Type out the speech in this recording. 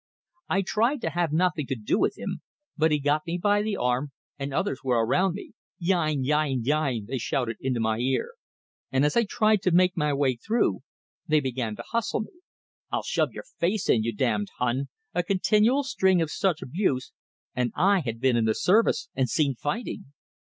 I tried to have nothing to do with him, but he got me by the arm, and others were around me. "Yein, yein, yein!" they shouted into my ear; and as I tried to make my way through, they began to hustle me. "I'll shove your face in, you damned Hun!" a continual string of such abuse; and I had been in the service, and seen fighting!